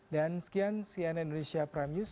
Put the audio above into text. dan sekian cnn indonesia prime news